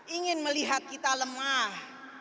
ingin melihat kita lemah